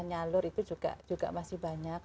nyalur itu juga masih banyak